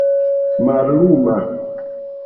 malluma